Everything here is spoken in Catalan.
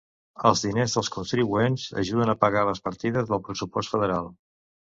Els diners dels contribuents ajuden a pagar les partides del pressupost federal.